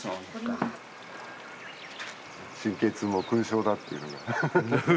神経痛も勲章だっていうのが。